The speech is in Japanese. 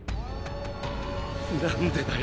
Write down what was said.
何でだよ